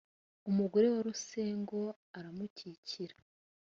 umugore wa Rusengo aramukurikira